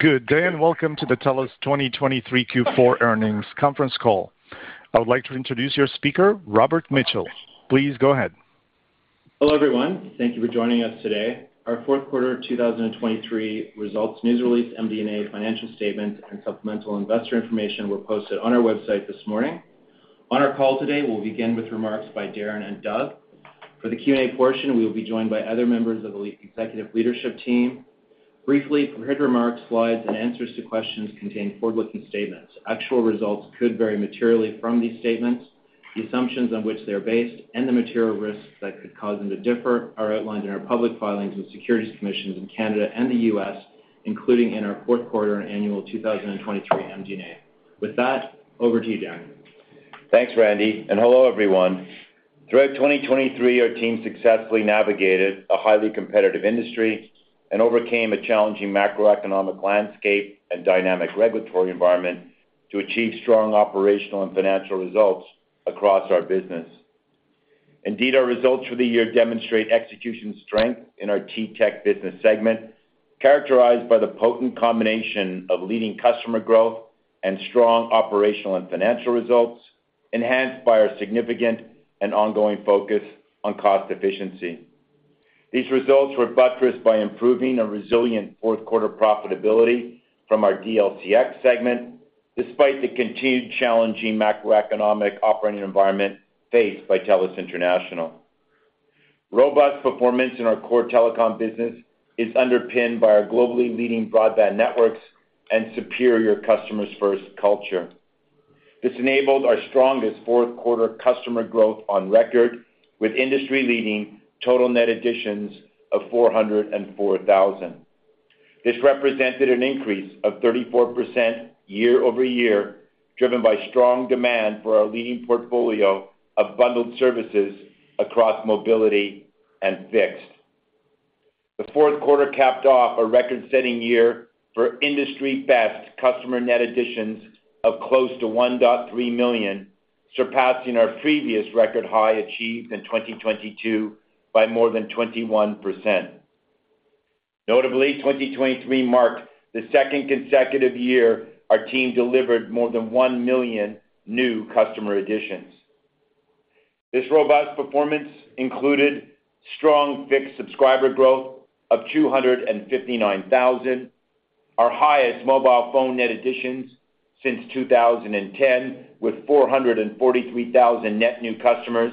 Good day, and welcome to the TELUS 2023 Q4 earnings conference call. I would like to introduce your speaker, Robert Mitchell. Please go ahead. Hello everyone. Thank you for joining us today. Our fourth quarter 2023 results news release, MD&A financial statements, and supplemental investor information were posted on our website this morning. On our call today, we'll begin with remarks by Darren and Doug. For the Q&A portion, we will be joined by other members of the executive leadership team. Briefly, prepared remarks, slides, and answers to questions contain forward-looking statements. Actual results could vary materially from these statements. The assumptions on which they are based and the material risks that could cause them to differ are outlined in our public filings with securities commissions in Canada and the U.S., including in our fourth quarter annual 2023 MD&A. With that, over to you, Darren. Thanks, Robert. And hello everyone. Throughout 2023, our team successfully navigated a highly competitive industry and overcame a challenging macroeconomic landscape and dynamic regulatory environment to achieve strong operational and financial results across our business. Indeed, our results for the year demonstrate execution strength in our TTech business segment, characterized by the potent combination of leading customer growth and strong operational and financial results, enhanced by our significant and ongoing focus on cost efficiency. These results were buttressed by improving our resilient fourth quarter profitability from our DLCX segment, despite the continued challenging macroeconomic operating environment faced by TELUS International. Robust performance in our core telecom business is underpinned by our globally leading broadband networks and superior Customers First culture. This enabled our strongest fourth quarter customer growth on record, with industry-leading total net additions of 404,000. This represented an increase of 34% year-over-year, driven by strong demand for our leading portfolio of bundled services across mobility and fixed. The fourth quarter capped off a record-setting year for industry-best customer net additions of close to 1.3 million, surpassing our previous record high achieved in 2022 by more than 21%. Notably, 2023 marked the second consecutive year our team delivered more than one million new customer additions. This robust performance included strong fixed subscriber growth of 259,000, our highest mobile phone net additions since 2010 with 443,000 net new customers,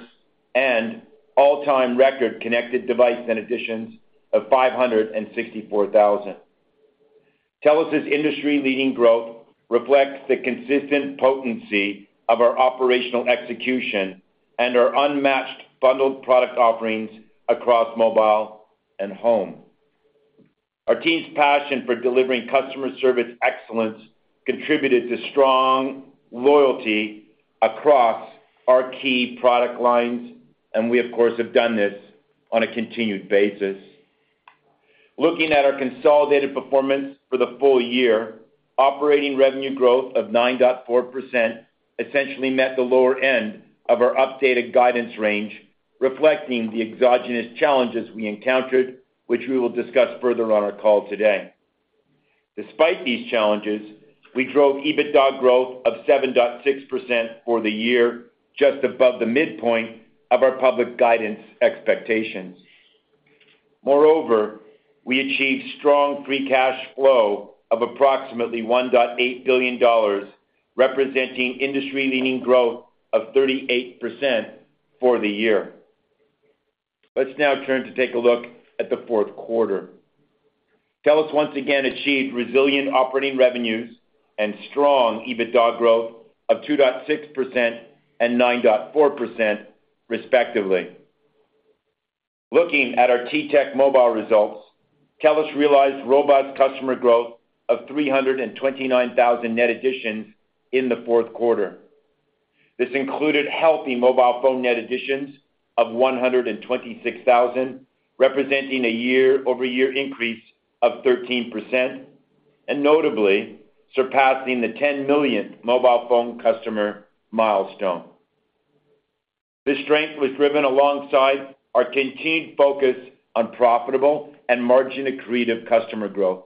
and all-time record connected device net additions of 564,000. TELUS's industry-leading growth reflects the consistent potency of our operational execution and our unmatched bundled product offerings across mobile and home. Our team's passion for delivering customer service excellence contributed to strong loyalty across our key product lines, and we, of course, have done this on a continued basis. Looking at our consolidated performance for the full year, operating revenue growth of 9.4% essentially met the lower end of our updated guidance range, reflecting the exogenous challenges we encountered, which we will discuss further on our call today. Despite these challenges, we drove EBITDA growth of 7.6% for the year, just above the midpoint of our public guidance expectations. Moreover, we achieved strong free cash flow of approximately 1.8 billion dollars, representing industry-leading growth of 38% for the year. Let's now turn to take a look at the fourth quarter. TELUS once again achieved resilient operating revenues and strong EBITDA growth of 2.6% and 9.4%, respectively. Looking at our TTech mobile results, TELUS realized robust customer growth of 329,000 net additions in the fourth quarter. This included healthy mobile phone net additions of 126,000, representing a year-over-year increase of 13%, and notably surpassing the 10 millionth mobile phone customer milestone. This strength was driven alongside our continued focus on profitable and marginally creative customer growth.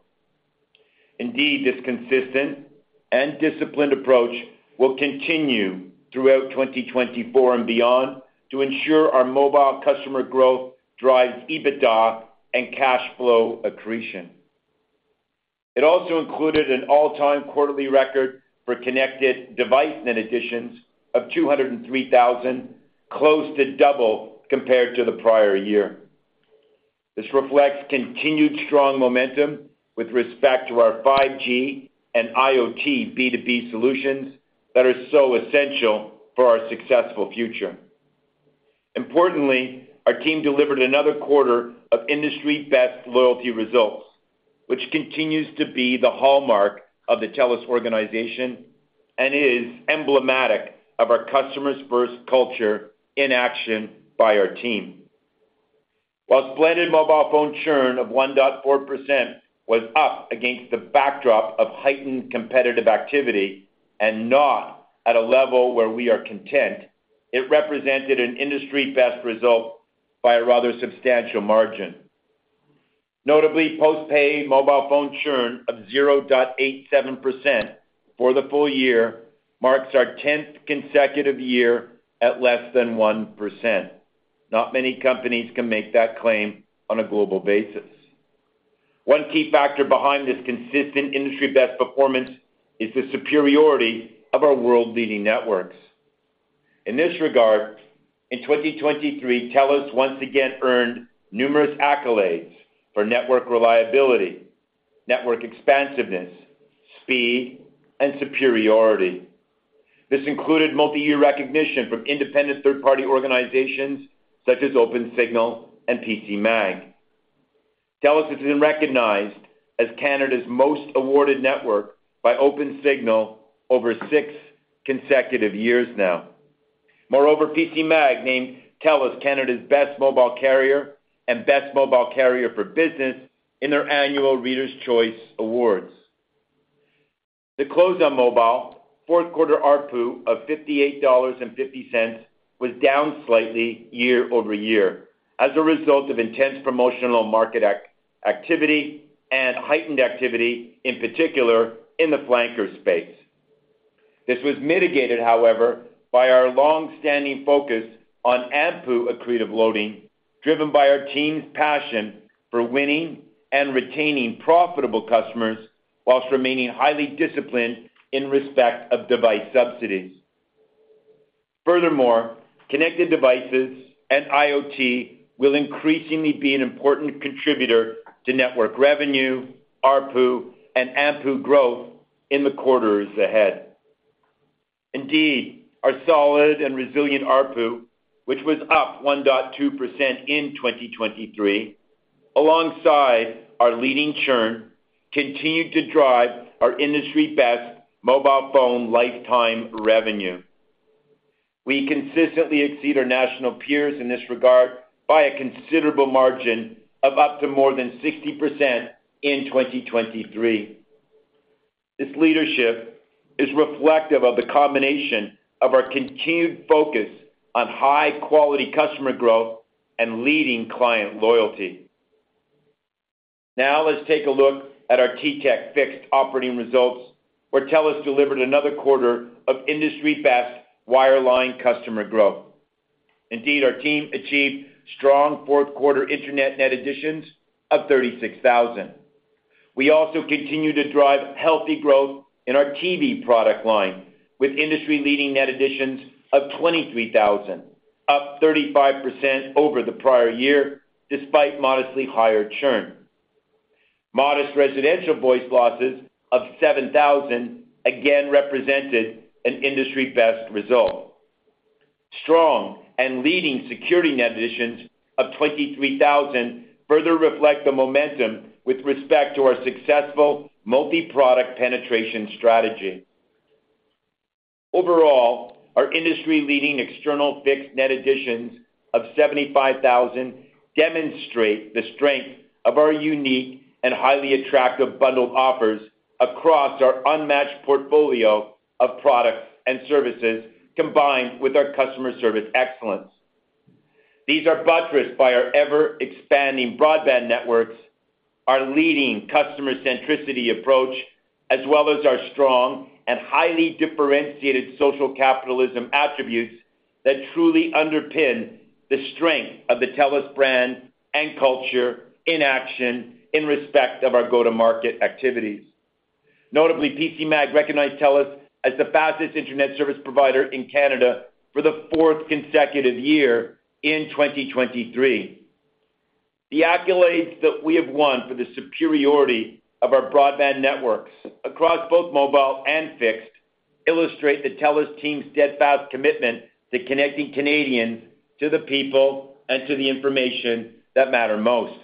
Indeed, this consistent and disciplined approach will continue throughout 2024 and beyond to ensure our mobile customer growth drives EBITDA and cash flow accretion. It also included an all-time quarterly record for connected device net additions of 203,000, close to double compared to the prior year. This reflects continued strong momentum with respect to our 5G and IoT B2B solutions that are so essential for our successful future. Importantly, our team delivered another quarter of industry-best loyalty results, which continues to be the hallmark of the TELUS organization and is emblematic of our customers-first culture in action by our team. While splendid mobile phone churn of 1.4% was up against the backdrop of heightened competitive activity and not at a level where we are content, it represented an industry-best result by a rather substantial margin. Notably, postpaid mobile phone churn of 0.87% for the full year marks our tenth consecutive year at less than 1%. Not many companies can make that claim on a global basis. One key factor behind this consistent industry-best performance is the superiority of our world-leading networks. In this regard, in 2023, TELUS once again earned numerous accolades for network reliability, network expansiveness, speed, and superiority. This included multi-year recognition from independent third-party organizations such as Opensignal and PCMag. TELUS has been recognized as Canada's most awarded network by Opensignal over six consecutive years now. Moreover, PCMag named TELUS Canada's best mobile carrier and best mobile carrier for business in their annual Readers' Choice Awards. The Koodo Mobile fourth quarter ARPU of 58.50 dollars was down slightly year-over-year as a result of intense promotional market activity and heightened activity, in particular, in the flanker space. This was mitigated, however, by our longstanding focus on AMPU accretive loading, driven by our team's passion for winning and retaining profitable customers while remaining highly disciplined in respect of device subsidies. Furthermore, connected devices and IoT will increasingly be an important contributor to network revenue, ARPU, and AMPU growth in the quarters ahead. Indeed, our solid and resilient ARPU, which was up 1.2% in 2023, alongside our leading churn, continued to drive our industry-best mobile phone lifetime revenue. We consistently exceed our national peers in this regard by a considerable margin of up to more than 60% in 2023. This leadership is reflective of the combination of our continued focus on high-quality customer growth and leading client loyalty. Now let's take a look at our TTech fixed operating results, where TELUS delivered another quarter of industry-best wireline customer growth. Indeed, our team achieved strong fourth quarter internet net additions of 36,000. We also continue to drive healthy growth in our TV product line with industry-leading net additions of 23,000, up 35% over the prior year despite modestly higher churn. Modest residential voice losses of 7,000 again represented an industry-best result. Strong and leading security net additions of 23,000 further reflect the momentum with respect to our successful multi-product penetration strategy. Overall, our industry-leading external fixed net additions of 75,000 demonstrate the strength of our unique and highly attractive bundled offers across our unmatched portfolio of products and services combined with our customer service excellence. These are buttressed by our ever-expanding broadband networks, our leading customer-centricity approach, as well as our strong and highly differentiated Social Capitalism attributes that truly underpin the strength of the TELUS brand and culture in action in respect of our go-to-market activities. Notably, PCMag recognized TELUS as the fastest internet service provider in Canada for the fourth consecutive year in 2023. The accolades that we have won for the superiority of our broadband networks across both mobile and fixed illustrate the TELUS team's steadfast commitment to connecting Canadians to the people and to the information that matter most.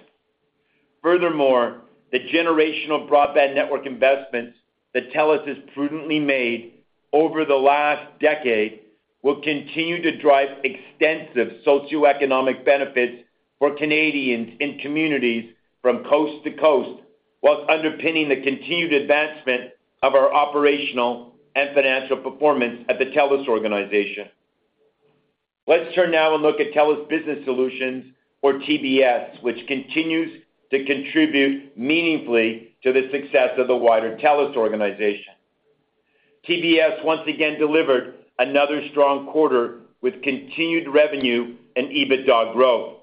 Furthermore, the generational broadband network investments that TELUS has prudently made over the last decade will continue to drive extensive socioeconomic benefits for Canadians in communities from coast to coast while underpinning the continued advancement of our operational and financial performance at the TELUS organization. Let's turn now and look at TELUS Business Solutions, or TBS, which continues to contribute meaningfully to the success of the wider TELUS organization. TBS once again delivered another strong quarter with continued revenue and EBITDA growth.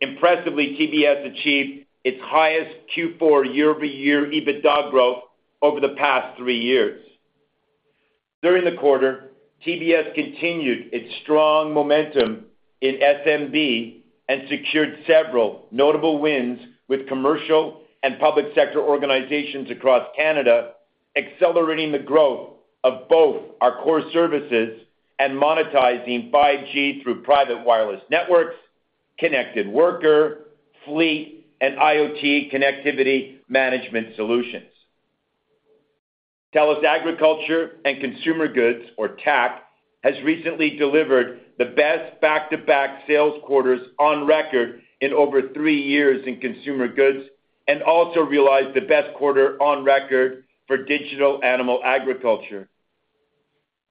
Impressively, TBS achieved its highest Q4 year-over-year EBITDA growth over the past three years. During the quarter, TBS continued its strong momentum in SMB and secured several notable wins with commercial and public sector organizations across Canada, accelerating the growth of both our core services and monetizing 5G through private wireless networks, Connected Worker, fleet, and IoT connectivity management solutions. TELUS Agriculture & Consumer Goods, or TAC, has recently delivered the best back-to-back sales quarters on record in over three years in consumer goods and also realized the best quarter on record for digital animal agriculture.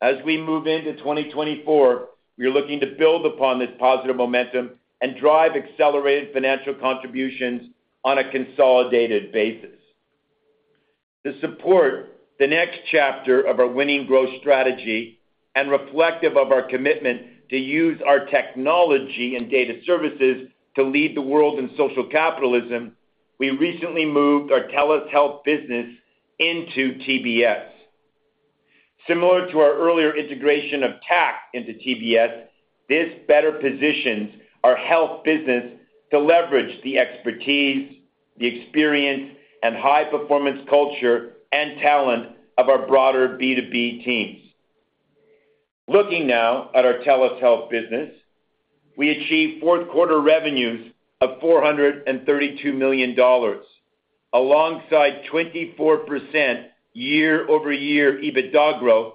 As we move into 2024, we are looking to build upon this positive momentum and drive accelerated financial contributions on a consolidated basis. To support the next chapter of our winning growth strategy and reflective of our commitment to use our technology and data services to lead the world in Social Capitalism, we recently moved our TELUS Health business into TBS. Similar to our earlier integration of TAC into TBS, this better positions our health business to leverage the expertise, the experience, and high-performance culture and talent of our broader B2B teams. Looking now at our TELUS Health business, we achieved fourth quarter revenues of 432 million dollars alongside 24% year-over-year EBITDA growth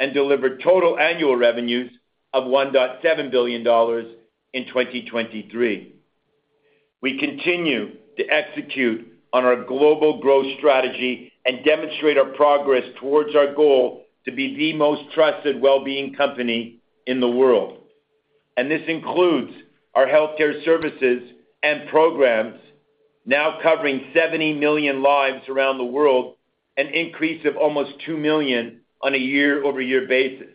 and delivered total annual revenues of 1.7 billion dollars in 2023. We continue to execute on our global growth strategy and demonstrate our progress towards our goal to be the most trusted well-being company in the world, and this includes our healthcare services and programs now covering 70 million lives around the world, an increase of almost two million on a year-over-year basis.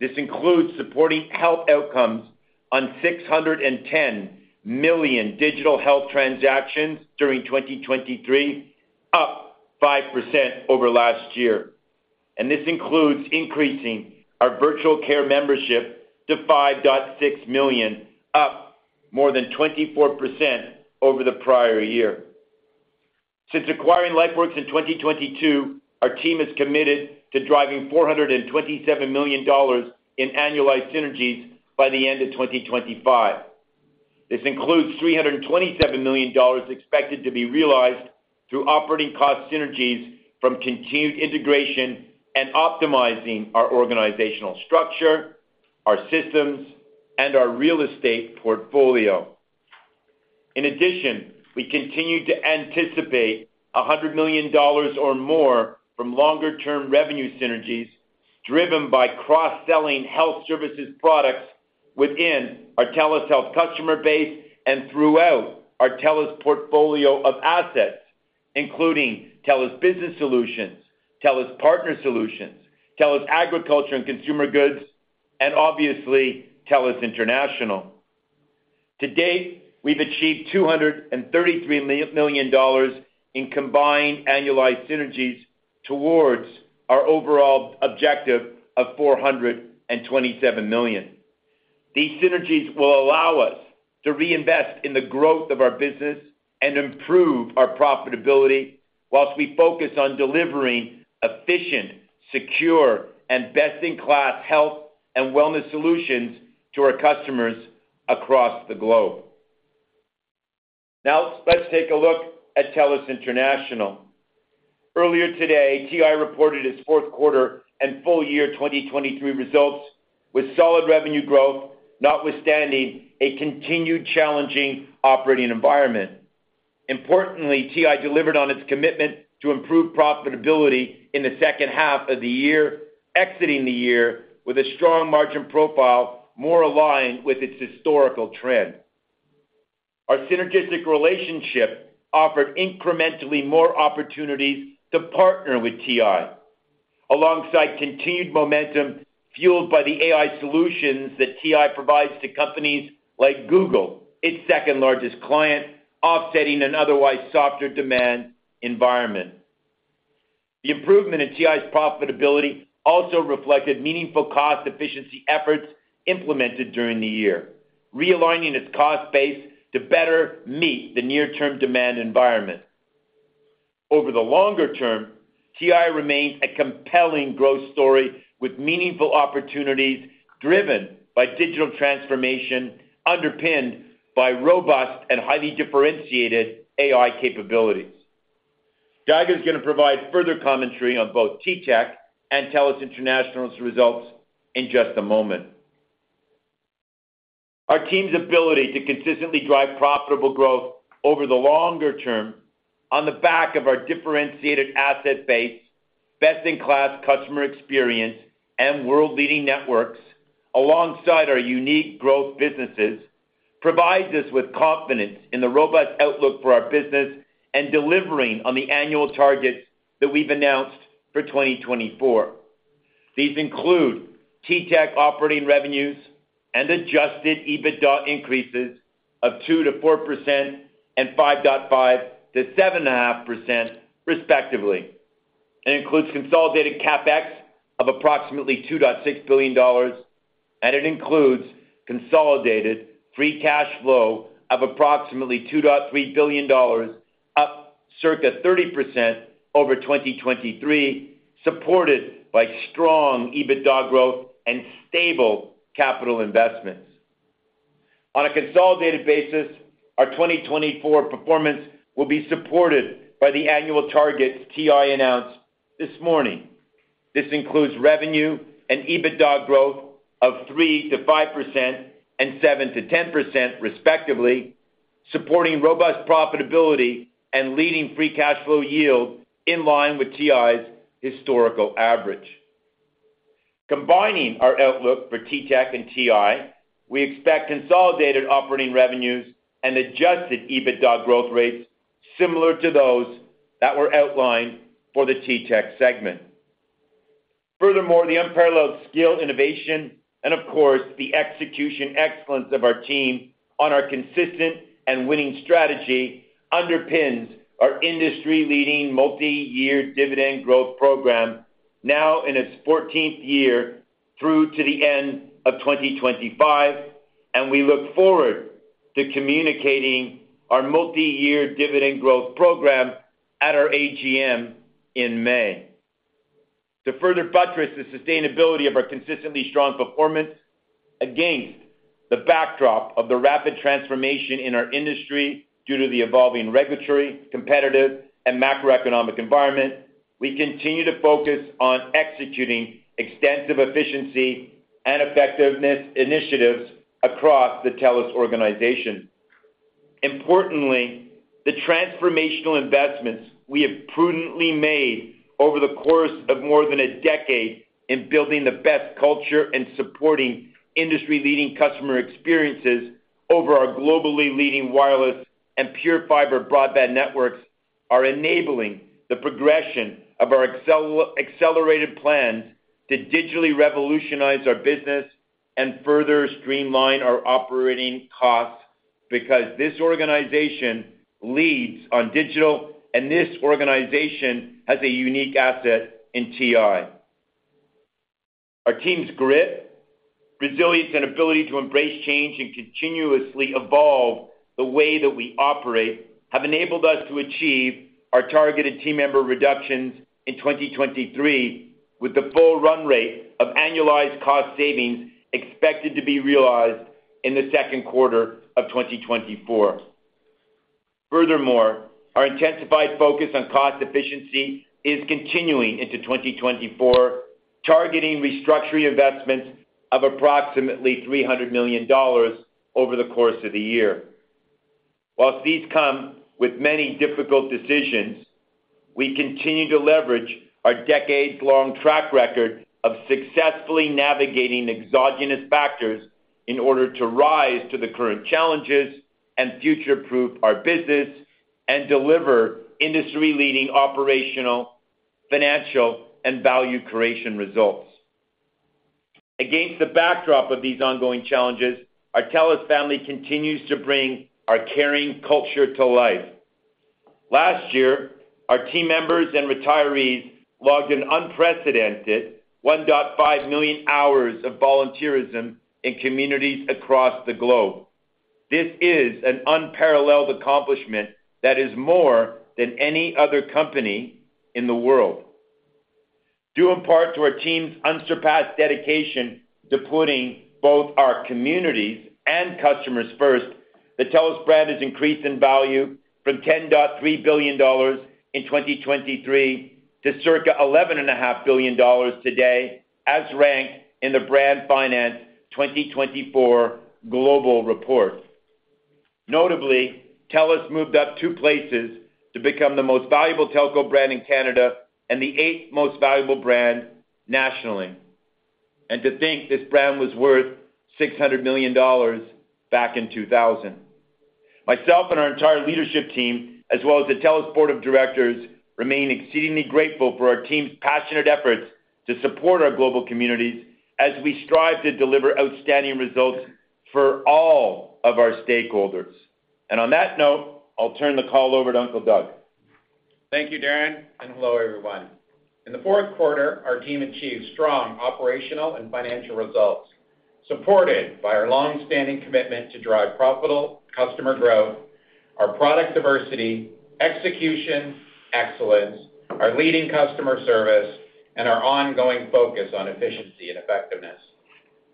This includes supporting health outcomes on 610 million digital health transactions during 2023, up 5% over last year, and this includes increasing our virtual care membership to 5.6 million, up more than 24% over the prior year. Since acquiring LifeWorks in 2022, our team is committed to driving 427 million dollars in annualized synergies by the end of 2025. This includes 327 million dollars expected to be realized through operating cost synergies from continued integration and optimizing our organizational structure, our systems, and our real estate portfolio. In addition, we continue to anticipate 100 million dollars or more from longer-term revenue synergies driven by cross-selling health services products within our TELUS Health customer base and throughout our TELUS portfolio of assets, including TELUS Business Solutions, TELUS Partner Solutions, TELUS Agriculture & Consumer Goods, and obviously, TELUS International. To date, we've achieved 233 million dollars in combined annualized synergies towards our overall objective of 427 million. These synergies will allow us to reinvest in the growth of our business and improve our profitability while we focus on delivering efficient, secure, and best-in-class health and wellness solutions to our customers across the globe. Now let's take a look at TELUS International. Earlier today, TI reported its fourth quarter and full year 2023 results with solid revenue growth notwithstanding a continued challenging operating environment. Importantly, TI delivered on its commitment to improve profitability in the second half of the year, exiting the year with a strong margin profile more aligned with its historical trend. Our synergistic relationship offered incrementally more opportunities to partner with TI alongside continued momentum fueled by the AI solutions that TI provides to companies like Google, its second-largest client, offsetting an otherwise softer demand environment. The improvement in TI's profitability also reflected meaningful cost efficiency efforts implemented during the year, realigning its cost base to better meet the near-term demand environment. Over the longer term, TI remains a compelling growth story with meaningful opportunities driven by digital transformation underpinned by robust and highly differentiated AI capabilities. Doug is going to provide further commentary on both TTech and TELUS International's results in just a moment. Our team's ability to consistently drive profitable growth over the longer term on the back of our differentiated asset base, best-in-class customer experience, and world-leading networks alongside our unique growth businesses provides us with confidence in the robust outlook for our business and delivering on the annual targets that we've announced for 2024. These include TTech operating revenues and adjusted EBITDA increases of 2%-4% and 5.5%-7.5%, respectively. It includes consolidated capex of approximately 2.6 billion dollars, and it includes consolidated free cash flow of approximately 2.3 billion dollars, up circa 30% over 2023, supported by strong EBITDA growth and stable capital investments. On a consolidated basis, our 2024 performance will be supported by the annual targets TI announced this morning. This includes revenue and EBITDA growth of 3%-5% and 7%-10%, respectively, supporting robust profitability and leading free cash flow yield in line with TI's historical average. Combining our outlook for TTech and TI, we expect consolidated operating revenues and adjusted EBITDA growth rates similar to those that were outlined for the TTech segment. Furthermore, the unparalleled skill innovation and, of course, the execution excellence of our team on our consistent and winning strategy underpins our industry-leading multi-year dividend growth program now in its 14th year through to the end of 2025, and we look forward to communicating our multi-year dividend growth program at our AGM in May. To further buttress the sustainability of our consistently strong performance against the backdrop of the rapid transformation in our industry due to the evolving regulatory, competitive, and macroeconomic environment, we continue to focus on executing extensive efficiency and effectiveness initiatives across the TELUS organization. Importantly, the transformational investments we have prudently made over the course of more than a decade in building the best culture and supporting industry-leading customer experiences over our globally leading wireless and PureFibre broadband networks are enabling the progression of our accelerated plans to digitally revolutionize our business and further streamline our operating costs because this organization leads on digital, and this organization has a unique asset in TI. Our team's grip, resilience, and ability to embrace change and continuously evolve the way that we operate have enabled us to achieve our targeted team member reductions in 2023 with the full run rate of annualized cost savings expected to be realized in the second quarter of 2024. Furthermore, our intensified focus on cost efficiency is continuing into 2024, targeting restructuring investments of approximately 300 million dollars over the course of the year. While these come with many difficult decisions, we continue to leverage our decades-long track record of successfully navigating exogenous factors in order to rise to the current challenges and future-proof our business and deliver industry-leading operational, financial, and value creation results. Against the backdrop of these ongoing challenges, our TELUS family continues to bring our caring culture to life. Last year, our team members and retirees logged an unprecedented 1.5 million hours of volunteerism in communities across the globe. This is an unparalleled accomplishment that is more than any other company in the world. Due in part to our team's unsurpassed dedication to putting both our communities and customers first, the TELUS brand has increased in value from $10.3 billion in 2023 to circa $11.5 billion today as ranked in the Brand Finance 2024 Global Report. Notably, TELUS moved up two places to become the most valuable telco brand in Canada and the eighth most valuable brand nationally, and to think this brand was worth $600 million back in 2000. Myself and our entire leadership team, as well as the TELUS Board of Directors, remain exceedingly grateful for our team's passionate efforts to support our global communities as we strive to deliver outstanding results for all of our stakeholders. On that note, I'll turn the call over to Uncle Doug. Thank you, Darren, and hello, everyone. In the fourth quarter, our team achieved strong operational and financial results supported by our longstanding commitment to drive profitable customer growth, our product diversity, execution excellence, our leading customer service, and our ongoing focus on efficiency and effectiveness.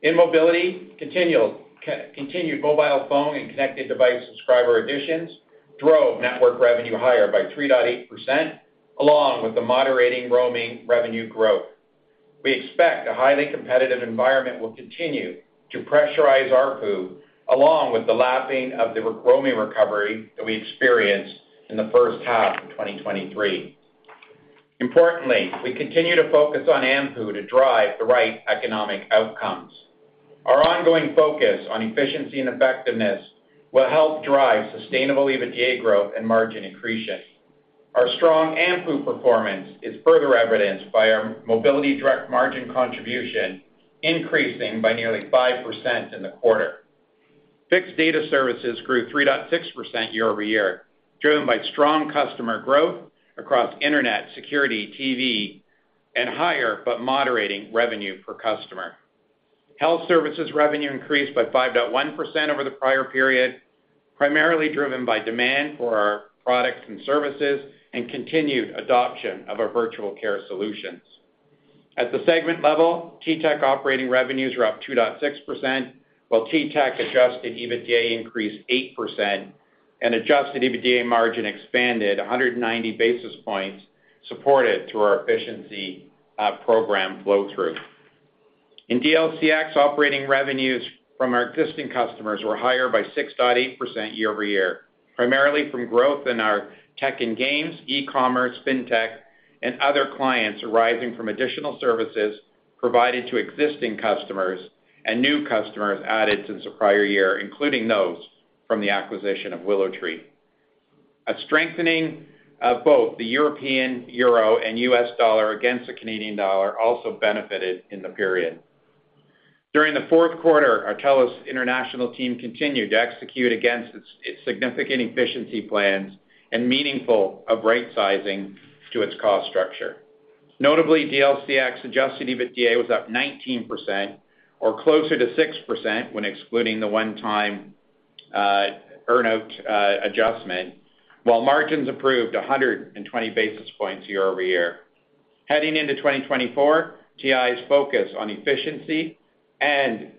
In mobility, continued mobile phone and connected device subscriber additions drove network revenue higher by 3.8% along with the moderating roaming revenue growth. We expect a highly competitive environment will continue to pressurize ARPU along with the lapping of the roaming recovery that we experienced in the first half of 2023. Importantly, we continue to focus on AMPU to drive the right economic outcomes. Our ongoing focus on efficiency and effectiveness will help drive sustainable EBITDA growth and margin expansion. Our strong AMPU performance is further evidenced by our mobility-direct margin contribution increasing by nearly 5% in the quarter. Fixed data services grew 3.6% year-over-year driven by strong customer growth across internet, security, TV, and higher but moderating revenue per customer. Health services revenue increased by 5.1% over the prior period, primarily driven by demand for our products and services and continued adoption of our virtual care solutions. At the segment level, TTech operating revenues were up 2.6% while TTech adjusted EBITDA increased 8% and adjusted EBITDA margin expanded 190 basis points supported through our efficiency program flow-through. In DLCX, operating revenues from our existing customers were higher by 6.8% year-over-year, primarily from growth in our Tech & Games, e-commerce, fintech, and other clients arising from additional services provided to existing customers and new customers added since the prior year, including those from the acquisition of WillowTree. A strengthening of both the euro and U.S. dollar against the Canadian dollar also benefited in the period. During the fourth quarter, our TELUS International team continued to execute against its significant efficiency plans and meaningful right-sizing to its cost structure. Notably, DLCX adjusted EBITDA was up 19% or closer to 6% when excluding the one-time earnout adjustment while margins improved 120 basis points year-over-year. Heading into 2024, TI's focus on efficiency and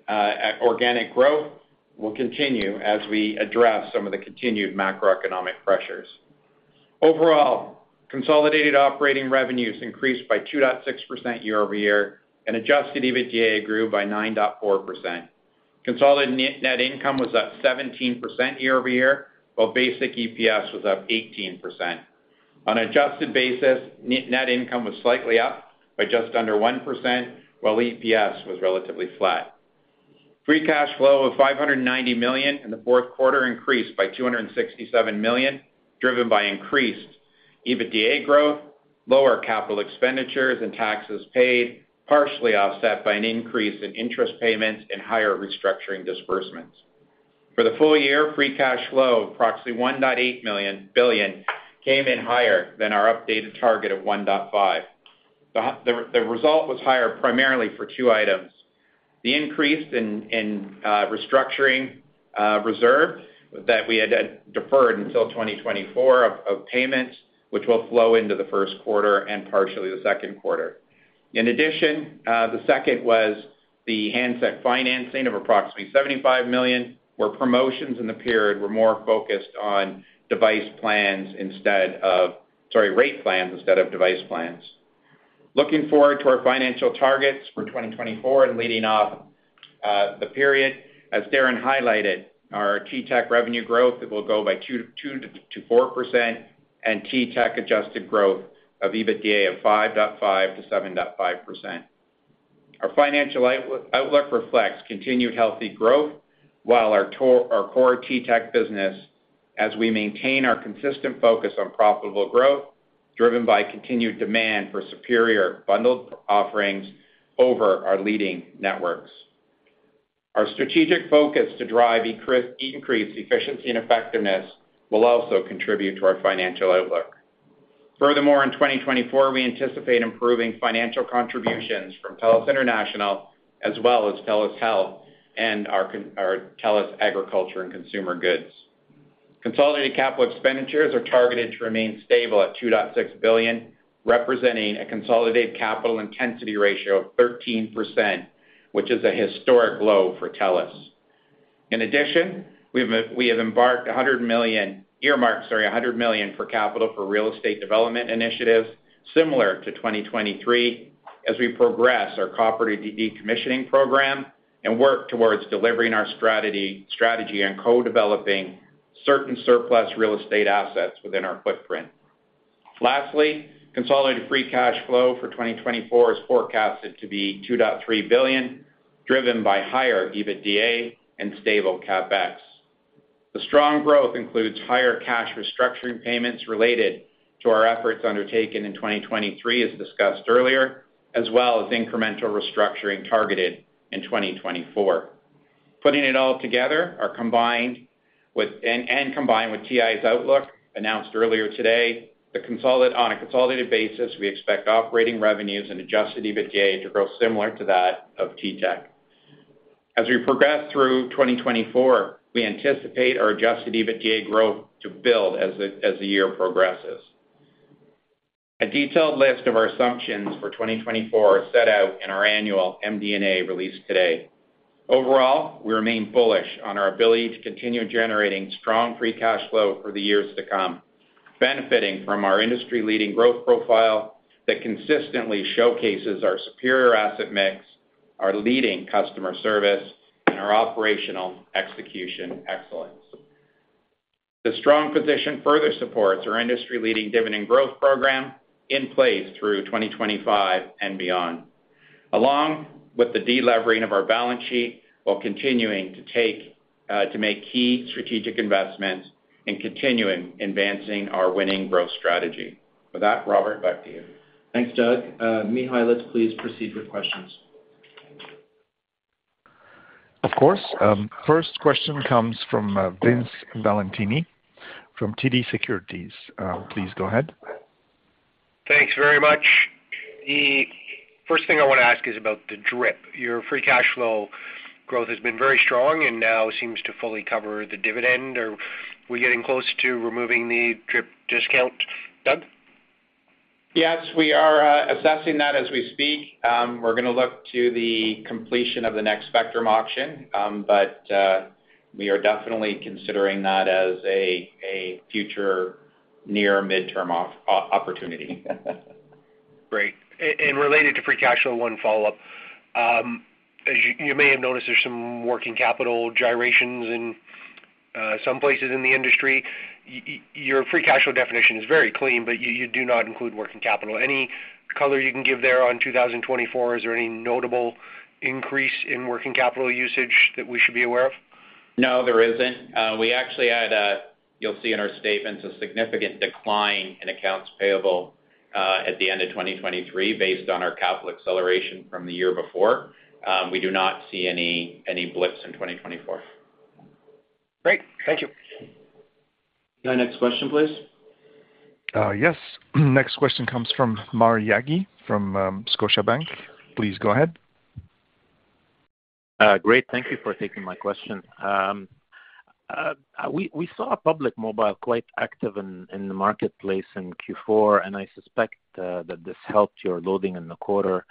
organic growth will continue as we address some of the continued macroeconomic pressures. Overall, consolidated operating revenues increased by 2.6% year-over-year, and adjusted EBITDA grew by 9.4%. Consolidated net income was up 17% year-over-year while basic EPS was up 18%. On an adjusted basis, net income was slightly up by just under 1% while EPS was relatively flat. Free cash flow of 590 million in the fourth quarter increased by 267 million driven by increased EBITDA growth, lower capital expenditures, and taxes paid, partially offset by an increase in interest payments and higher restructuring disbursements. For the full year, free cash flow of approximately 1.8 billion came in higher than our updated target of 1.5 billion. The result was higher primarily for two items: the increase in restructuring reserve that we had deferred until 2024 of payments, which will flow into the first quarter and partially the second quarter. In addition, the second was the handset financing of approximately 75 million where promotions in the period were more focused on device plans instead of sorry, rate plans instead of device plans. Looking forward to our financial targets for 2024 and leading off the period, as Darren highlighted, our TTech revenue growth will grow by 2%-4% and TTech adjusted EBITDA growth of 5.5%-7.5%. Our financial outlook reflects continued healthy growth while our core TTech business, as we maintain our consistent focus on profitable growth driven by continued demand for superior bundled offerings over our leading networks. Our strategic focus to drive increased efficiency and effectiveness will also contribute to our financial outlook. Furthermore, in 2024, we anticipate improving financial contributions from TELUS International as well as TELUS Health and our TELUS Agriculture and Consumer Goods. Consolidated capital expenditures are targeted to remain stable at 2.6 billion, representing a consolidated capital intensity ratio of 13%, which is a historic low for TELUS. In addition, we have earmarked 100 million for Capex for real estate development initiatives similar to 2023 as we progress our property decommissioning program and work towards delivering our strategy and co-developing certain surplus real estate assets within our footprint. Lastly, consolidated free cash flow for 2024 is forecasted to be 2.3 billion driven by higher EBITDA and stable Capex. The strong growth includes higher cash restructuring payments related to our efforts undertaken in 2023, as discussed earlier, as well as incremental restructuring targeted in 2024. Putting it all together and combined with TI's outlook announced earlier today, on a consolidated basis, we expect operating revenues and adjusted EBITDA to grow similar to that of TTech. As we progress through 2024, we anticipate our adjusted EBITDA growth to build as the year progresses. A detailed list of our assumptions for 2024 is set out in our annual MD&A released today. Overall, we remain bullish on our ability to continue generating strong free cash flow for the years to come, benefiting from our industry-leading growth profile that consistently showcases our superior asset mix, our leading customer service, and our operational execution excellence. The strong position further supports our industry-leading dividend growth program in place through 2025 and beyond, along with the delevering of our balance sheet while continuing to make key strategic investments and continuing advancing our winning growth strategy. With that, Robert, back to you. Thanks, Doug. Mihai, let's please proceed with questions. Of course. First question comes from Vince Valentini from TD Securities. Please go ahead. Thanks very much. The first thing I want to ask is about the DRIP. Your free cash flow growth has been very strong and now seems to fully cover the dividend. Are we getting close to removing the DRIP discount, Doug? Yes, we are assessing that as we speak. We're going to look to the completion of the next spectrum auction, but we are definitely considering that as a future near midterm opportunity. Great. Related to free cash flow, one follow-up. As you may have noticed, there's some working capital gyrations in some places in the industry. Your free cash flow definition is very clean, but you do not include working capital. Any color you can give there on 2024? Is there any notable increase in working capital usage that we should be aware of? No, there isn't. We actually had, you'll see in our statements, a significant decline in accounts payable at the end of 2023 based on our capital acceleration from the year before. We do not see any blips in 2024. Great. Thank you. My next question, please. Yes. Next question comes from Maher Yaghi from Scotiabank. Please go ahead. Great. Thank you for taking my question. We saw Public Mobile quite active in the marketplace in Q4, and I suspect that this helped your loading in the quarter.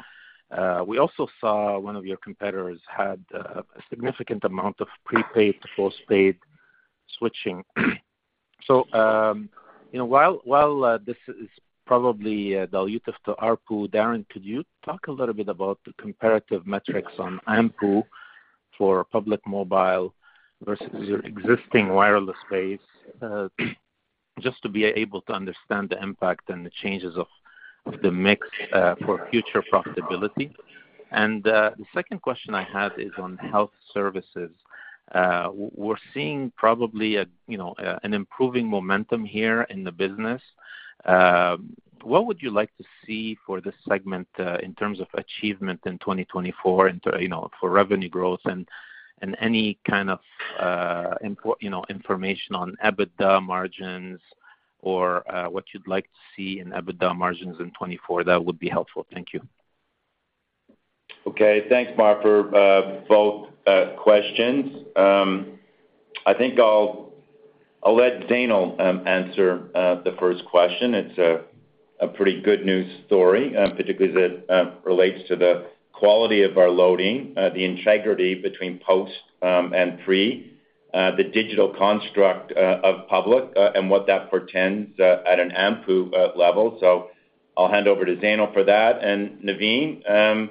We also saw one of your competitors had a significant amount of prepaid to postpaid switching. So while this is probably dilutive to RPU, Darren, could you talk a little bit about the comparative metrics on AMPU for Public Mobile versus your existing wireless space just to be able to understand the impact and the changes of the mix for future profitability? And the second question I had is on health services. We're seeing probably an improving momentum here in the business. What would you like to see for this segment in terms of achievement in 2024 for revenue growth and any kind of information on EBITDA margins or what you'd like to see in EBITDA margins in 2024? That would be helpful. Thank you. Okay. Thanks, Maher, for both questions. I think I'll let Zainul answer the first question. It's a pretty good news story, particularly as it relates to the quality of our loading, the integrity between post and pre, the digital construct of Public, and what that portends at an AMPU level. So I'll hand over to Zainul for that. And Navin, I'll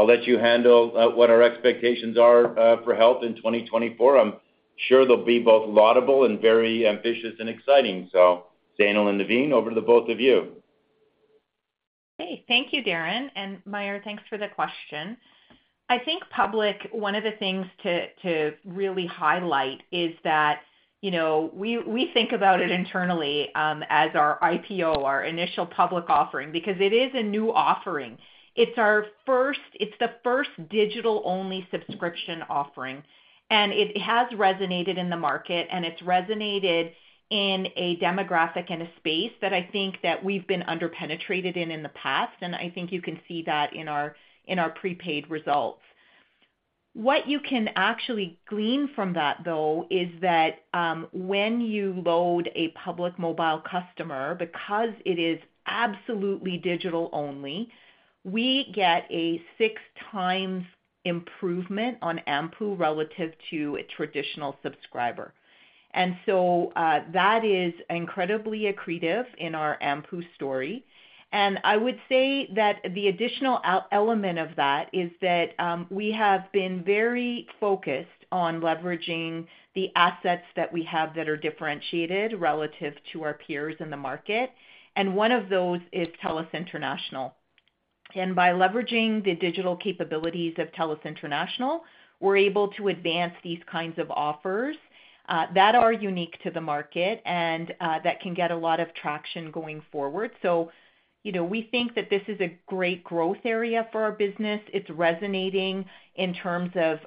let you handle what our expectations are for health in 2024. I'm sure they'll be both laudable and very ambitious and exciting. So Zainul and Navin, over to the both of you. Okay. Thank you, Darren. And Maher, thanks for the question. I think Public, one of the things to really highlight is that we think about it internally as our IPO, our initial public offering because it is a new offering. It's the first digital-only subscription offering, and it has resonated in the market, and it's resonated in a demographic and a space that I think that we've been underpenetrated in in the past. And I think you can see that in our prepaid results. What you can actually glean from that, though, is that when you load a Public Mobile customer because it is absolutely digital-only, we get a six-times improvement on AMPU relative to a traditional subscriber. And so that is incredibly accretive in our AMPU story. I would say that the additional element of that is that we have been very focused on leveraging the assets that we have that are differentiated relative to our peers in the market. One of those is TELUS International. By leveraging the digital capabilities of TELUS International, we're able to advance these kinds of offers that are unique to the market and that can get a lot of traction going forward. We think that this is a great growth area for our business. It's resonating in terms of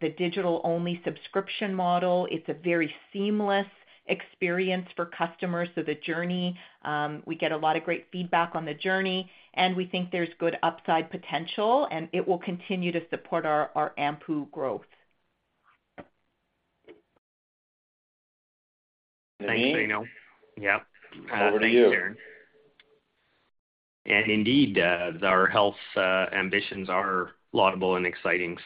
the digital-only subscription model. It's a very seamless experience for customers. We get a lot of great feedback on the journey, and we think there's good upside potential, and it will continue to support our AMPU growth. Thanks, Zainul. Yep. Over to you. Thanks, Darren. And indeed, our health ambitions are laudable and exciting.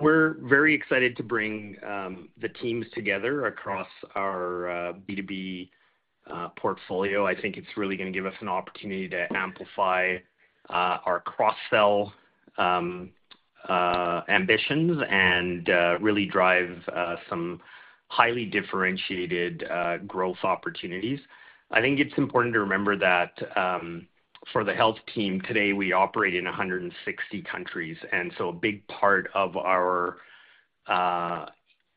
We're very excited to bring the teams together across our B2B portfolio. I think it's really going to give us an opportunity to amplify our cross-sell ambitions and really drive some highly differentiated growth opportunities. I think it's important to remember that for the health team, today, we operate in 160 countries. A big part of our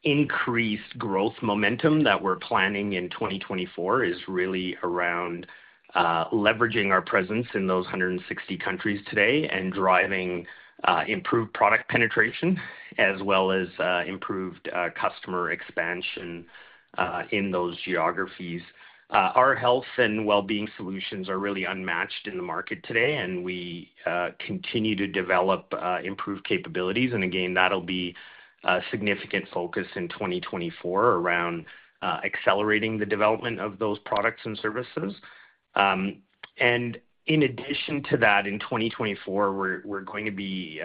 increased growth momentum that we're planning in 2024 is really around leveraging our presence in those 160 countries today and driving improved product penetration as well as improved customer expansion in those geographies. Our health and well-being solutions are really unmatched in the market today, and we continue to develop improved capabilities. Again, that'll be a significant focus in 2024 around accelerating the development of those products and services. In addition to that, in 2024, we're going to be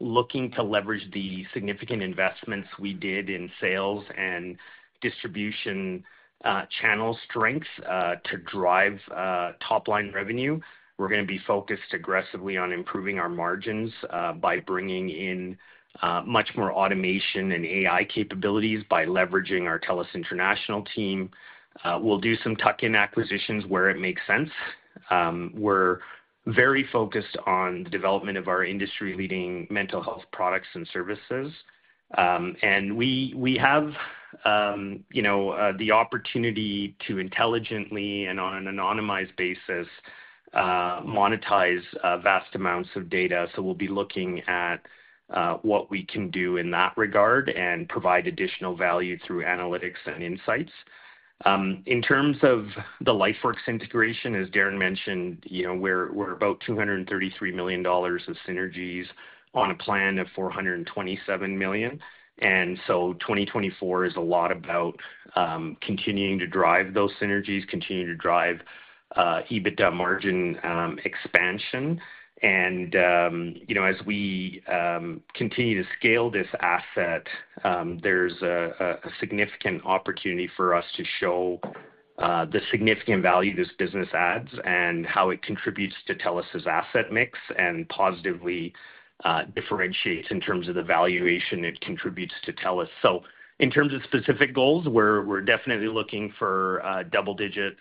looking to leverage the significant investments we did in sales and distribution channel strengths to drive top-line revenue. We're going to be focused aggressively on improving our margins by bringing in much more automation and AI capabilities by leveraging our TELUS International team. We'll do some tuck-in acquisitions where it makes sense. We're very focused on the development of our industry-leading mental health products and services. And we have the opportunity to intelligently and on an anonymized basis monetize vast amounts of data. So we'll be looking at what we can do in that regard and provide additional value through analytics and insights. In terms of the LifeWorks integration, as Darren mentioned, we're about 233 million dollars of synergies on a plan of 427 million. And so 2024 is a lot about continuing to drive those synergies, continuing to drive EBITDA margin expansion. And as we continue to scale this asset, there's a significant opportunity for us to show the significant value this business adds and how it contributes to TELUS's asset mix and positively differentiates in terms of the valuation it contributes to TELUS. So in terms of specific goals, we're definitely looking for double-digit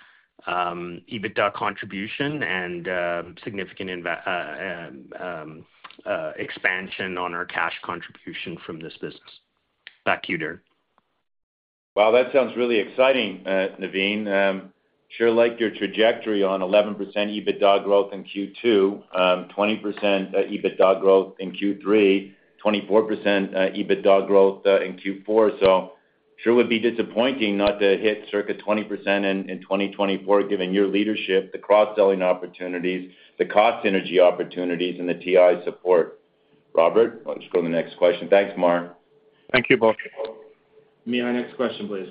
EBITDA contribution and significant expansion on our cash contribution from this business. Back to you, Darren. Wow, that sounds really exciting, Naveen. Sure liked your trajectory on 11% EBITDA growth in Q2, 20% EBITDA growth in Q3, 24% EBITDA growth in Q4. So sure would be disappointing not to hit circa 20% in 2024 given your leadership, the cross-selling opportunities, the cost synergy opportunities, and the TI support. Robert, let's go to the next question. Thanks, Maher. Thank you, both. Mihai, next question, please.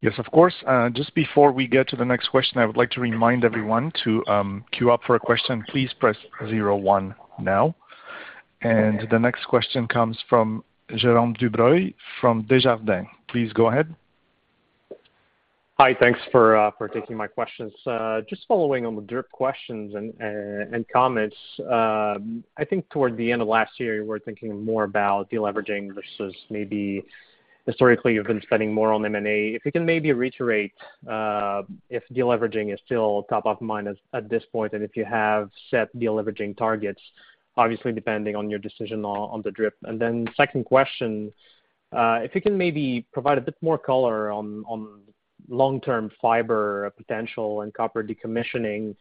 Yes, of course. Just before we get to the next question, I would like to remind everyone to queue up for a question. Please press zero one now. The next question comes from Jérôme Dubreuil from Desjardins. Please go ahead. Hi. Thanks for taking my questions. Just following on the DRIP questions and comments, I think toward the end of last year, you were thinking more about deleveraging versus maybe historically, you've been spending more on M&A. If you can maybe reiterate if deleveraging is still top of mind at this point and if you have set deleveraging targets, obviously, depending on your decision on the DRIP. And then second question, if you can maybe provide a bit more color on long-term fiber potential and copper decommissioning.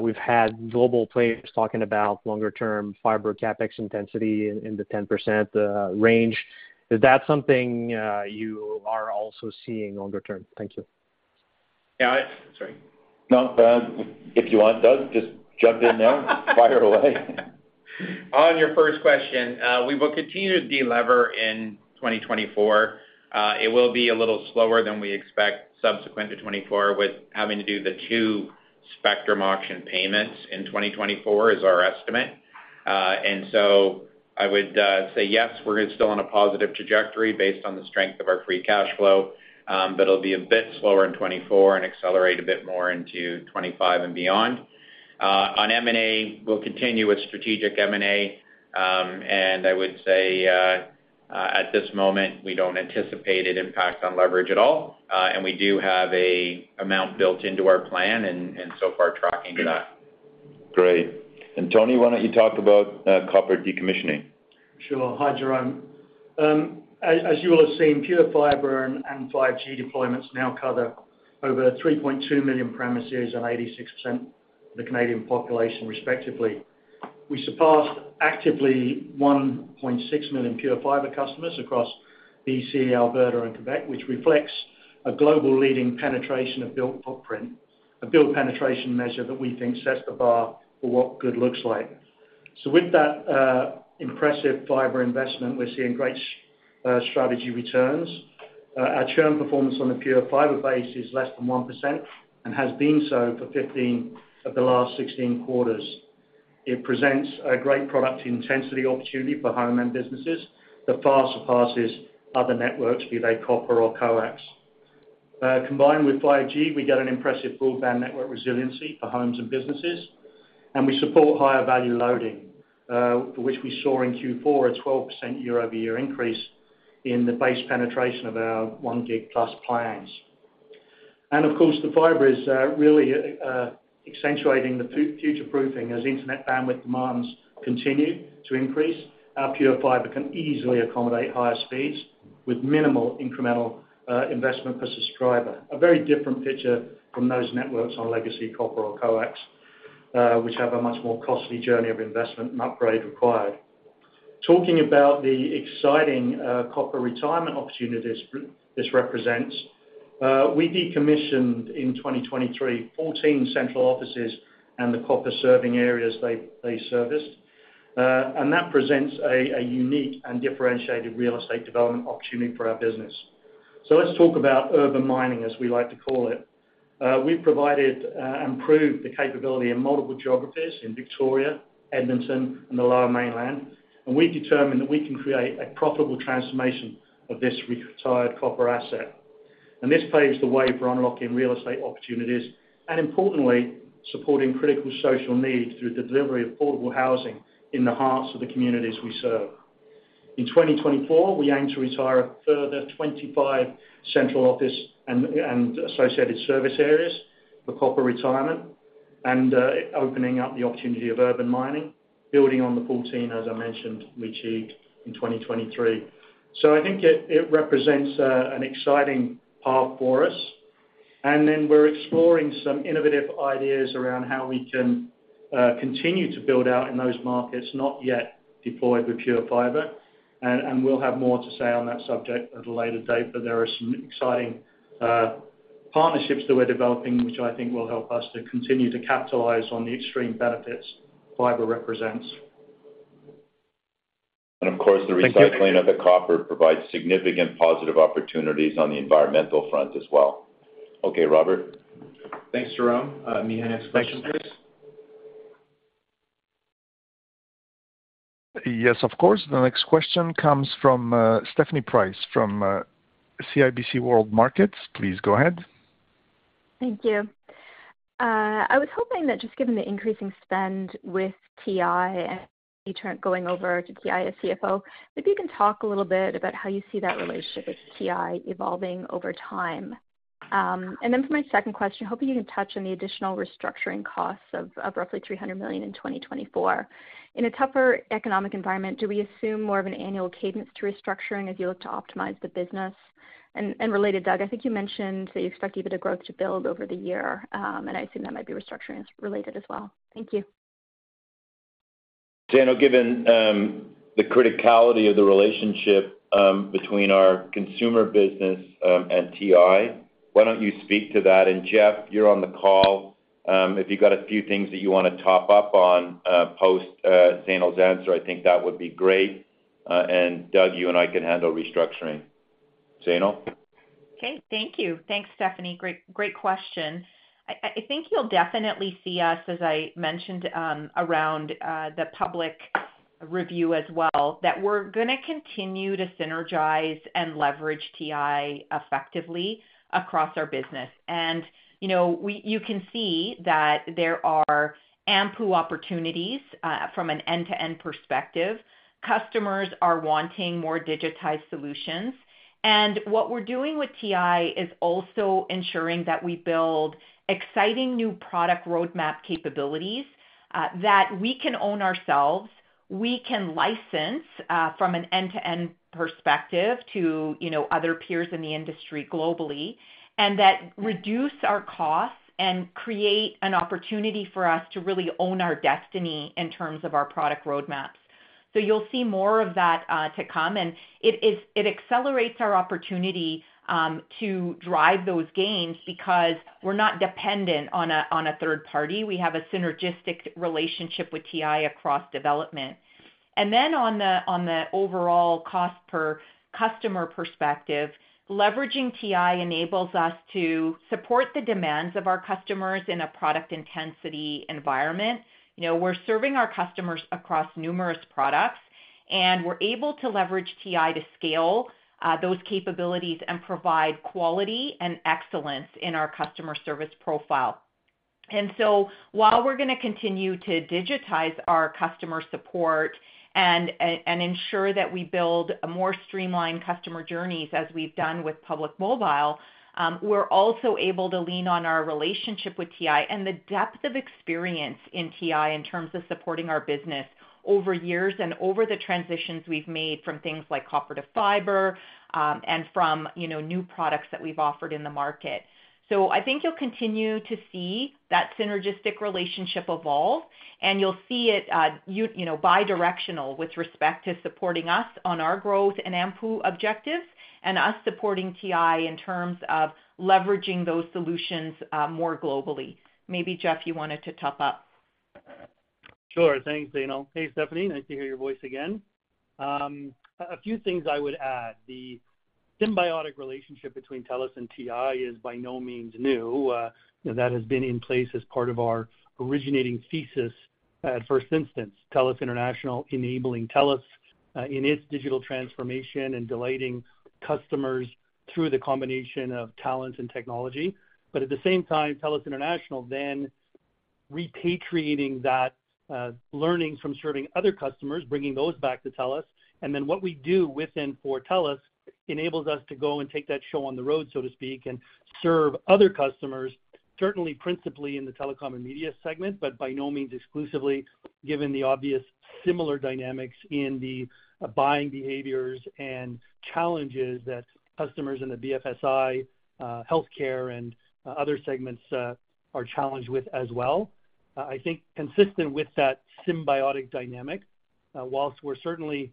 We've had global players talking about longer-term fiber Capex intensity in the 10% range. Is that something you are also seeing longer-term? Thank you. Yeah. Sorry. No, if you want, Doug, just jump in now. Fire away. On your first question, we will continue to delever in 2024. It will be a little slower than we expect subsequent to 2024 with having to do the two spectrum auction payments in 2024, is our estimate. So I would say yes, we're still on a positive trajectory based on the strength of our free cash flow, but it'll be a bit slower in 2024 and accelerate a bit more into 2025 and beyond. On M&A, we'll continue with strategic M&A. I would say at this moment, we don't anticipate it impacting leverage at all. We do have an amount built into our plan and so far tracking to that. Great. And Simon, why don't you talk about copper decommissioning? Sure. Hi, Jérôme. As you will have seen, pure fiber and 5G deployments now cover over 3.2 million premises and 86% of the Canadian population, respectively. We surpassed actively 1.6 million pure fiber customers across BC, Alberta, and Quebec, which reflects a global leading penetration of build footprint, a build penetration measure that we think sets the bar for what good looks like. So with that impressive fiber investment, we're seeing great strategy returns. Our churn performance on the pure fiber base is less than 1% and has been so for 15 of the last 16 quarters. It presents a great product intensity opportunity for home and businesses that far surpasses other networks, be they copper or coax. Combined with 5G, we get an impressive broadband network resiliency for homes and businesses. And we support higher-value loading for which we saw in Q4 a 12% year-over-year increase in the base penetration of our 1 gig-plus plans. And of course, the fiber is really accentuating the future proofing as internet bandwidth demands continue to increase. Our pure fiber can easily accommodate higher speeds with minimal incremental investment per subscriber, a very different picture from those networks on legacy copper or coax, which have a much more costly journey of investment and upgrade required. Talking about the exciting copper retirement opportunities this represents, we decommissioned in 2023 14 central offices and the copper serving areas they serviced. And that presents a unique and differentiated real estate development opportunity for our business. So let's talk about Urban Mining, as we like to call it. We've provided and improved the capability in multiple geographies in Victoria, Edmonton, and the Lower Mainland. We've determined that we can create a profitable transformation of this retired copper asset. This paves the way for unlocking real estate opportunities and, importantly, supporting critical social need through the delivery of affordable housing in the hearts of the communities we serve. In 2024, we aim to retire further 25 Central Offices and associated service areas for copper retirement and opening up the opportunity of Urban Mining, building on the 14, as I mentioned, we achieved in 2023. I think it represents an exciting path for us. Then we're exploring some innovative ideas around how we can continue to build out in those markets not yet deployed with PureFibre. We'll have more to say on that subject at a later date. There are some exciting partnerships that we're developing, which I think will help us to continue to capitalize on the extreme benefits fiber represents. Of course, the recycling of the copper provides significant positive opportunities on the environmental front as well. Okay, Robert. Thanks, Jérôme. Mihai, next question, please. Yes, of course. The next question comes from Stephanie Price from CIBC World Markets. Please go ahead. Thank you. I was hoping that just given the increasing spend with TI and you're going over to TI as CFO, maybe you can talk a little bit about how you see that relationship with TI evolving over time. And then for my second question, hoping you can touch on the additional restructuring costs of roughly 300 million in 2024. In a tougher economic environment, do we assume more of an annual cadence to restructuring as you look to optimize the business? And related, Doug, I think you mentioned that you expect EBITDA growth to build over the year. And I assume that might be restructuring related as well. Thank you. Zainul, given the criticality of the relationship between our consumer business and TI, why don't you speak to that? And Jeff, you're on the call. If you've got a few things that you want to top up on post Zainul's answer, I think that would be great. And Doug, you and I can handle restructuring. Zainul? Okay. Thank you. Thanks, Stephanie. Great question. I think you'll definitely see us, as I mentioned, around the public review as well, that we're going to continue to synergize and leverage TI effectively across our business. You can see that there are ample opportunities from an end-to-end perspective. Customers are wanting more digitized solutions. What we're doing with TI is also ensuring that we build exciting new product roadmap capabilities that we can own ourselves. We can license from an end-to-end perspective to other peers in the industry globally and that reduce our costs and create an opportunity for us to really own our destiny in terms of our product roadmaps. You'll see more of that to come. It accelerates our opportunity to drive those gains because we're not dependent on a third party. We have a synergistic relationship with TI across development. And then on the overall cost per customer perspective, leveraging TI enables us to support the demands of our customers in a product intensity environment. We're serving our customers across numerous products. And we're able to leverage TI to scale those capabilities and provide quality and excellence in our customer service profile. And so while we're going to continue to digitize our customer support and ensure that we build more streamlined customer journeys as we've done with Public Mobile, we're also able to lean on our relationship with TI and the depth of experience in TI in terms of supporting our business over years and over the transitions we've made from things like copper to fiber and from new products that we've offered in the market. So I think you'll continue to see that synergistic relationship evolve. You'll see it bi-directional with respect to supporting us on our growth and AMPU objectives and us supporting TI in terms of leveraging those solutions more globally. Maybe, Jeff, you wanted to top up? Sure. Thanks, Zainul. Hey, Stephanie. Nice to hear your voice again. A few things I would add. The symbiotic relationship between TELUS and TI is by no means new. That has been in place as part of our originating thesis at first instance, TELUS International enabling TELUS in its digital transformation and delighting customers through the combination of talent and technology. But at the same time, TELUS International then repatriating that learnings from serving other customers, bringing those back to TELUS. And then what we do within for TELUS enables us to go and take that show on the road, so to speak, and serve other customers, certainly principally in the telecom and media segment, but by no means exclusively given the obvious similar dynamics in the buying behaviors and challenges that customers in the BFSI, healthcare, and other segments are challenged with as well. I think consistent with that symbiotic dynamic, while we're certainly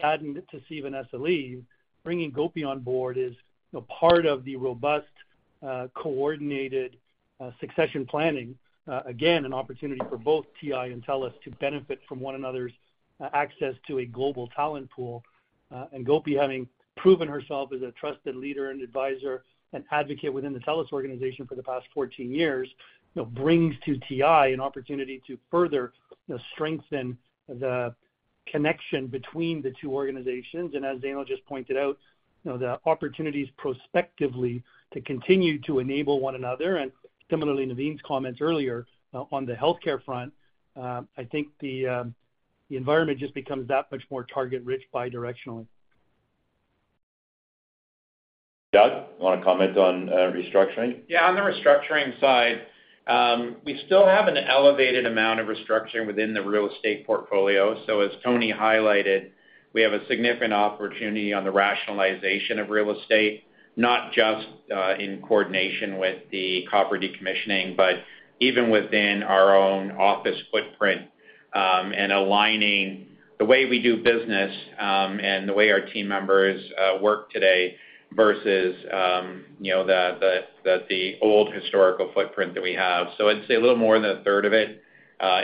sad to see Vanessa leave, bringing Gopi on board is part of the robust, coordinated succession planning. Again, an opportunity for both TI and TELUS to benefit from one another's access to a global talent pool. And Gopi, having proven herself as a trusted leader and advisor and advocate within the TELUS organization for the past 14 years, brings to TI an opportunity to further strengthen the connection between the two organizations. And as Zainul just pointed out, the opportunities prospectively to continue to enable one another. And similarly, Naveen's comments earlier on the healthcare front, I think the environment just becomes that much more target-rich bi-directionally. Doug, you want to comment on restructuring? Yeah. On the restructuring side, we still have an elevated amount of restructuring within the real estate portfolio. So as Tony highlighted, we have a significant opportunity on the rationalization of real estate, not just in coordination with the copper decommissioning, but even within our own office footprint and aligning the way we do business and the way our team members work today versus the old historical footprint that we have. So I'd say a little more than a third of it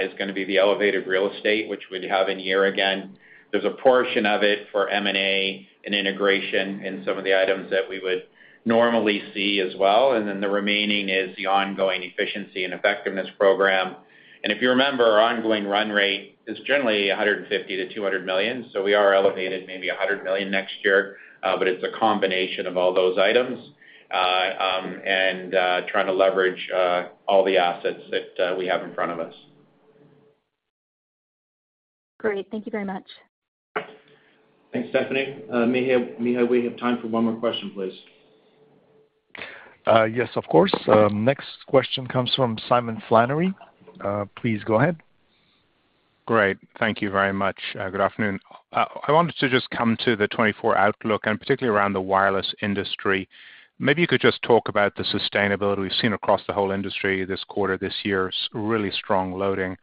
is going to be the elevated real estate, which we'd have in year again. There's a portion of it for M&A and integration in some of the items that we would normally see as well. And then the remaining is the ongoing efficiency and effectiveness program. And if you remember, our ongoing run rate is generally 150 million-200 million. We are elevated maybe 100 million next year. But it's a combination of all those items and trying to leverage all the assets that we have in front of us. Great. Thank you very much. Thanks, Stephanie. Mihai, we have time for one more question, please. Yes, of course. Next question comes from Simon Flannery. Please go ahead. Great. Thank you very much. Good afternoon. I wanted to just come to the 2024 outlook and particularly around the wireless industry. Maybe you could just talk about the sustainability we've seen across the whole industry this quarter, this year's really strong loading.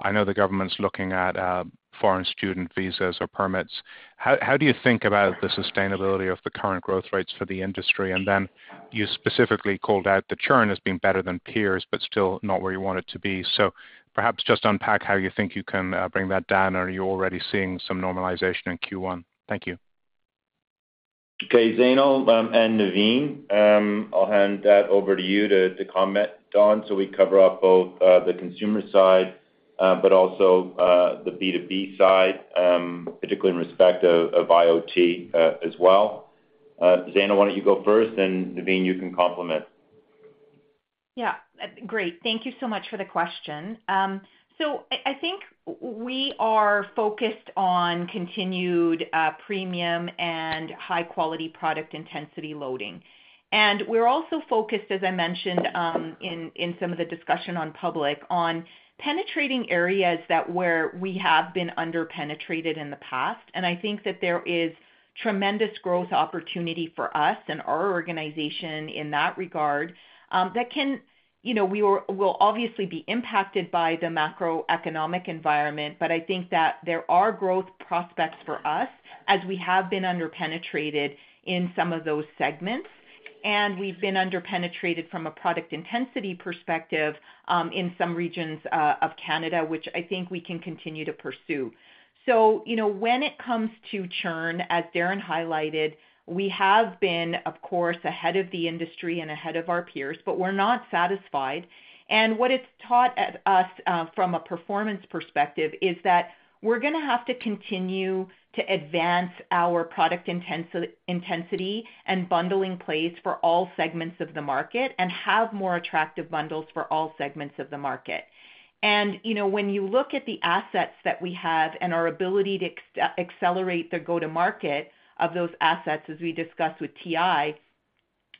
I know the government's looking at foreign student visas or permits. How do you think about the sustainability of the current growth rates for the industry? And then you specifically called out the churn has been better than peers, but still not where you want it to be. So perhaps just unpack how you think you can bring that down. Are you already seeing some normalization in Q1? Thank you. Okay, Zainul and Naveen, I'll hand that over to you to comment, Don, so we cover off both the consumer side but also the B2B side, particularly in respect of IoT as well. Zainul, why don't you go first? And Naveen, you can complement. Yeah. Great. Thank you so much for the question. So, I think we are focused on continued premium and high-quality product intensity loading. And we're also focused, as I mentioned in some of the discussion on Public, on penetrating areas where we have been underpenetrated in the past. And I think that there is tremendous growth opportunity for us and our organization in that regard, that can, we will obviously be impacted by the macroeconomic environment. But I think that there are growth prospects for us as we have been underpenetrated in some of those segments. And we've been underpenetrated from a product intensity perspective in some regions of Canada, which I think we can continue to pursue. So when it comes to churn, as Darren highlighted, we have been, of course, ahead of the industry and ahead of our peers. But we're not satisfied. What it's taught us from a performance perspective is that we're going to have to continue to advance our product intensity and bundling plays for all segments of the market and have more attractive bundles for all segments of the market. When you look at the assets that we have and our ability to accelerate the go-to-market of those assets, as we discussed with TI,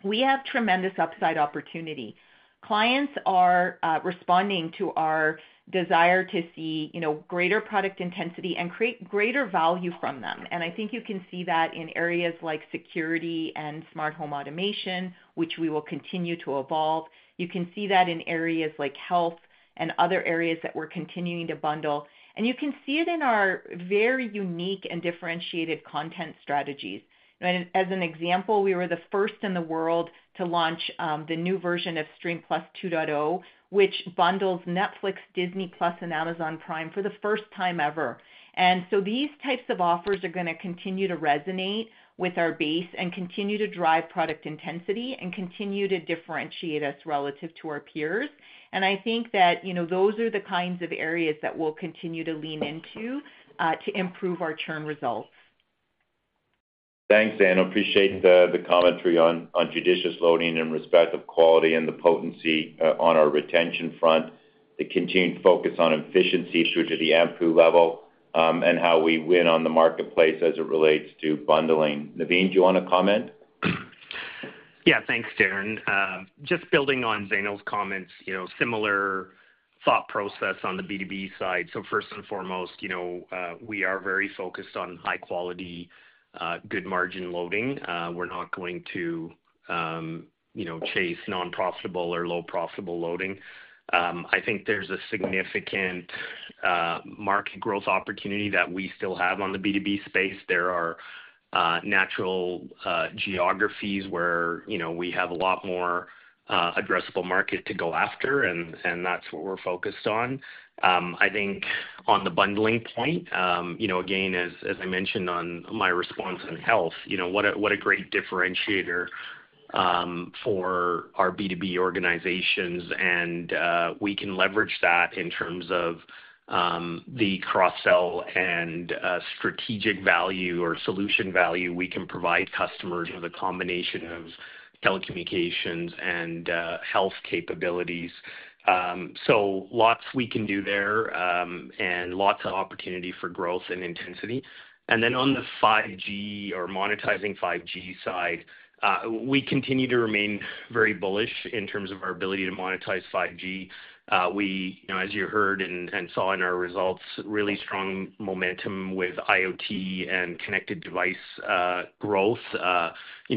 we have tremendous upside opportunity. Clients are responding to our desire to see greater product intensity and create greater value from them. I think you can see that in areas like security and smart home automation, which we will continue to evolve. You can see that in areas like health and other areas that we're continuing to bundle. You can see it in our very unique and differentiated content strategies. As an example, we were the first in the world to launch the new version of Stream+ 2.0, which bundles Netflix, Disney+, and Amazon Prime for the first time ever. And so these types of offers are going to continue to resonate with our base and continue to drive product intensity and continue to differentiate us relative to our peers. And I think that those are the kinds of areas that we'll continue to lean into to improve our churn results. Thanks, Zainul. Appreciate the commentary on judicious loading in respect of quality and the potency on our retention front, the continued focus on efficiency due to the ample level, and how we win on the marketplace as it relates to bundling. Naveen, do you want to comment? Yeah. Thanks, Darren. Just building on Zainul's comments, similar thought process on the B2B side. So first and foremost, we are very focused on high-quality, good-margin loading. We're not going to chase nonprofitable or low-profitable loading. I think there's a significant market growth opportunity that we still have on the B2B space. There are natural geographies where we have a lot more addressable market to go after. And that's what we're focused on. I think on the bundling point, again, as I mentioned on my response on health, what a great differentiator for our B2B organizations. And we can leverage that in terms of the cross-sell and strategic value or solution value we can provide customers with a combination of telecommunications and health capabilities. So lots we can do there and lots of opportunity for growth and intensity. And then on the 5G or monetizing 5G side, we continue to remain very bullish in terms of our ability to monetize 5G. As you heard and saw in our results, really strong momentum with IoT and connected device growth.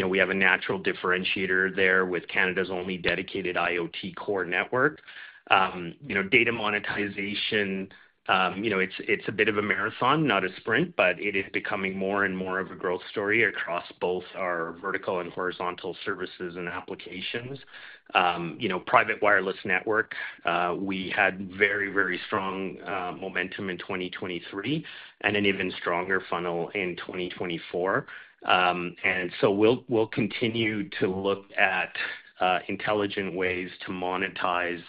We have a natural differentiator there with Canada's only dedicated IoT core network. Data monetization, it's a bit of a marathon, not a sprint, but it is becoming more and more of a growth story across both our vertical and horizontal services and applications. Private wireless network, we had very, very strong momentum in 2023 and an even stronger funnel in 2024. And so we'll continue to look at intelligent ways to monetize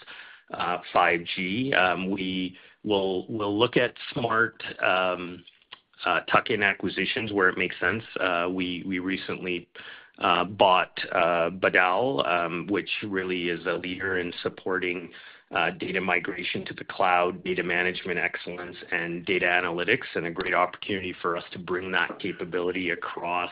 5G. We'll look at smart tuck-in acquisitions where it makes sense. We recently bought Badal, which really is a leader in supporting data migration to the cloud, data management excellence, and data analytics. A great opportunity for us to bring that capability across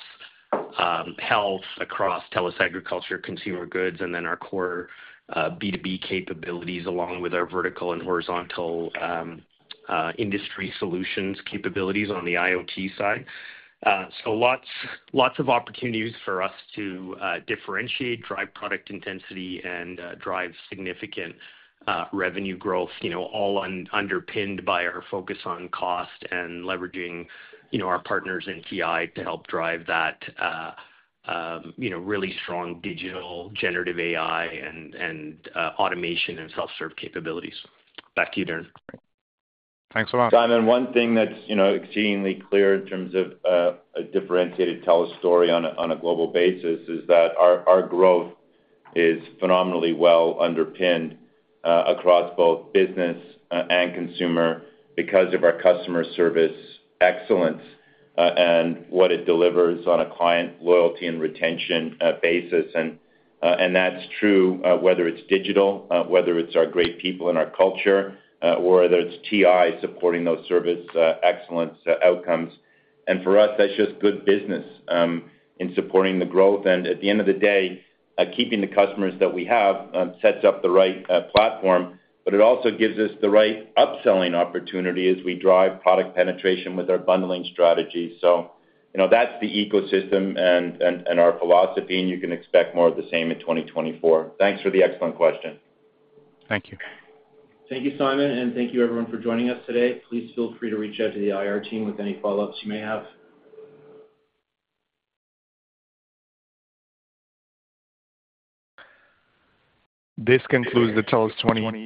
health, across tele-agriculture, consumer goods, and then our core B2B capabilities along with our vertical and horizontal industry solutions capabilities on the IoT side. Lots of opportunities for us to differentiate, drive product intensity, and drive significant revenue growth, all underpinned by our focus on cost and leveraging our partners in TI to help drive that really strong digital generative AI and automation and self-serve capabilities. Back to you, Darren. Thanks a lot. Don, one thing that's exceedingly clear in terms of a differentiated TELUS story on a global basis is that our growth is phenomenally well underpinned across both business and consumer because of our customer service excellence and what it delivers on a client loyalty and retention basis. That's true whether it's digital, whether it's our great people in our culture, or whether it's TI supporting those service excellence outcomes. For us, that's just good business in supporting the growth. At the end of the day, keeping the customers that we have sets up the right platform. But it also gives us the right upselling opportunity as we drive product penetration with our bundling strategy. So that's the ecosystem and our philosophy. You can expect more of the same in 2024. Thanks for the excellent question. Thank you. Thank you, Simon. Thank you, everyone, for joining us today. Please feel free to reach out to the IR team with any follow-ups you may have. This concludes the TELUS 20.